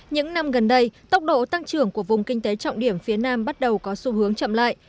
những năm gần đây tốc độ tăng trưởng của vùng kinh tế trọng điểm phía nam bắt đầu có xu hướng chậm lại